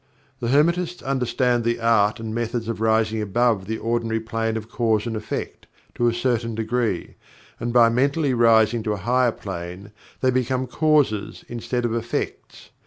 The Hermetists understand the art and methods of rising above the ordinary plane of Cause and Effect, to a certain degree, and by mentally rising to a higher plane they become Causers instead of Effects.